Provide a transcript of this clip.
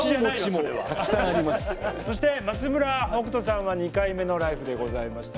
そして松村北斗さんは２回目の「ＬＩＦＥ！」でございましたが。